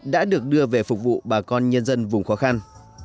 đã được đưa về phục vụ bà con nhân dân vùng khó khăn